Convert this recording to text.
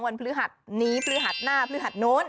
วันพฤษฐานี้พฤษฐาน่าพฤษฐานนนู้น